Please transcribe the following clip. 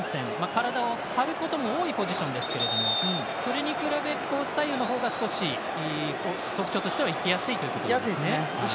体を張ることも多いポジションですけどもそれに比べ、左右のほうが少し特徴としては行きやすいということですね。